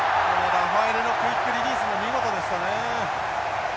ラファエレのクイックリリースも見事でしたね。